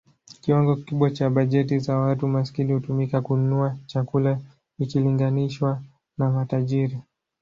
Kiwango kikubwa cha bajeti za watu maskini hutumika kununua chakula ikilinganishwa na matajiri.